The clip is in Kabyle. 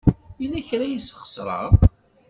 Yella kra ay sxeṣreɣ.